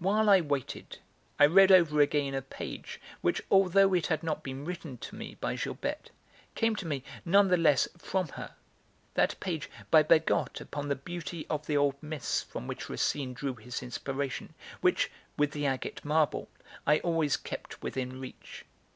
While I waited I read over again a page which, although it had not been written to me by Gilberte, came to me, none the less, from her, that page by Bergotte upon the beauty of the old myths from which Racine drew his inspiration, which (with the agate marble) I always kept within reach.